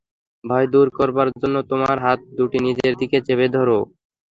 ভয় দূর করবার জন্য তোমার হাত দুটি নিজের দিকে চেপে ধর।